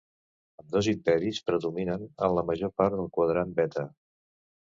Ambdós imperis predominen en la major part del Quadrant Beta.